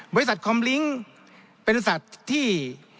บริษัทคอมลิ้งค์เป็นอุตสัตว์ที่